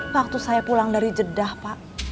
waktu saya pulang dari jeddah pak